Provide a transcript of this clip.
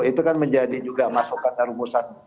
itu kan menjadi juga masukan dan rumusan